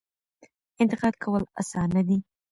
انتقاد کول اسانه دي.